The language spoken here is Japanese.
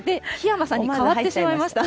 檜山さんにかわってしまいました。